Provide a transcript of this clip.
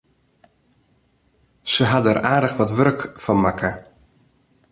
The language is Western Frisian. Se hawwe der aardich wat wurk fan makke.